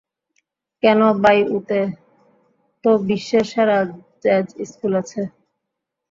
কেন, বায়উতে তো বিশ্বের সেরা জ্যাজ স্কুল আছে।